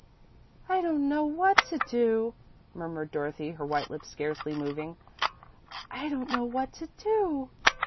"I don't know what to do," murmured Dorothy, her white lips scarcely moving; "I don't know what to do."